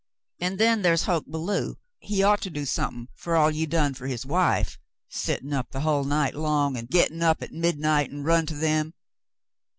An' then thar's Hoke Belew — he ought to do sumthin' fer all you done fer his wife — sittin' up the hull night long, an' gettin' up at midnight to run to them.